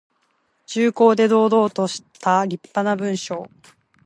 重厚で堂々としたりっぱな文章。